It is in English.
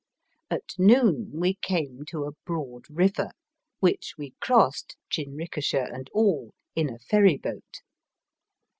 At noon we came to a broad river, which we crossed, jinrikisha and all, in a ferry boat.